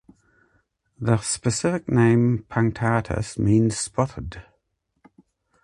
The specific name "punctatus" means "spotted".